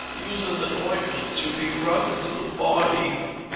Use as an ointment to be rubbed into the body.